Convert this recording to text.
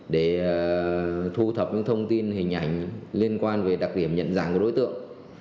để thu thập những thông tin hình ảnh liên quan về đặc điểm nhận dạng của đối tượng